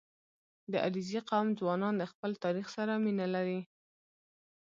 • د علیزي قوم ځوانان د خپل تاریخ سره مینه لري.